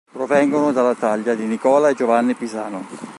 Provengono dalla taglia di Nicola e Giovanni Pisano.